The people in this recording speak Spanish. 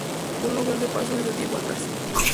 Fue un lugar de paso desde tiempo atrás.